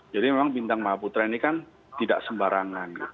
jadi memang bintang maha putra ini kan tidak sembarangan